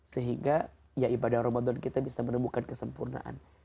sehingga ya ibadah ramadan kita bisa menemukan kesempurnaan